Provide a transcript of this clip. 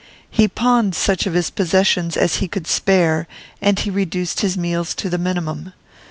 He pawned such of his possessions as he could spare, and he reduced his meals to the minimum.